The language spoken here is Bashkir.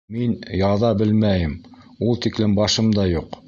— Мин яҙа белмәйем, ул тиклем башым да юҡ.